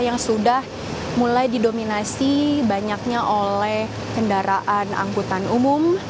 yang sudah mulai didominasi banyaknya oleh kendaraan angkutan umum